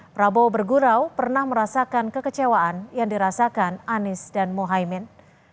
prabowo bergurau pernah merasakan kekecewaan yang dirasakan anies dan mohaimin